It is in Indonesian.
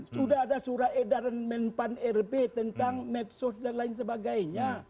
sudah ada surah edaran men pan erbe tentang medsos dan lain sebagainya